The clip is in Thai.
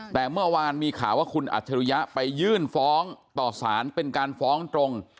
แต่เมื่อวานมีข่าวว่าคุณอัจฉริยะไปยื่นฟ้องต่อสารเป็นการฟ้องตรง